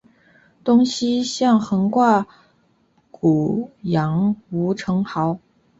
东西向横跨古杨吴城壕。